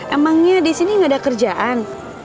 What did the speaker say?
emangnya disini gak ada kerjaan